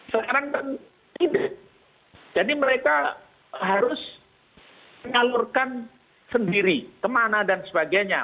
sekarang kan tidak jadi mereka harus menyalurkan sendiri kemana dan sebagainya